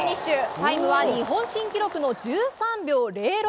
タイムは日本新記録の１３秒０６。